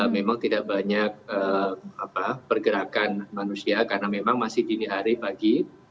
memang tidak banyak pergerakan manusia karena memang masih dini hari pagi